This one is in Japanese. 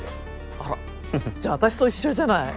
あらじゃああたしと一緒じゃない。